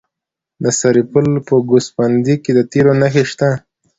د سرپل په ګوسفندي کې د تیلو نښې شته.